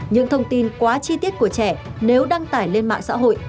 những thông tin quá chi tiết của trẻ nếu đăng tải lên mạng xã hội